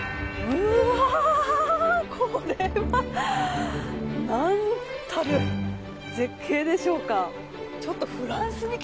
これは何たる絶景でしょうか。